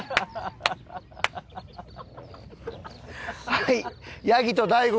はい！